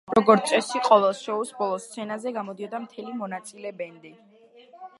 როგორც წესი, ყოველი შოუს ბოლოს სცენაზე გამოდიოდა მთელი მონაწილე ბენდი.